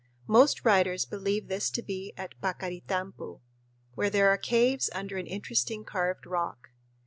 Most writers believe this to be at Paccaritampu where there are caves under an interesting carved rock.